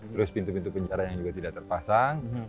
terus pintu pintu penjara yang juga tidak terpasang